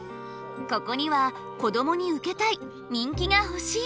ここには「こどもにウケたい」「人気がほしい」